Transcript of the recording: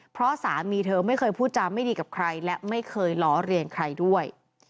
เพราะสามีเธอไม่เคยพูดจาไม่ดีกับใครและไม่เคยล้อเรียนใครด้วย